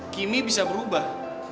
kimi bisa berubah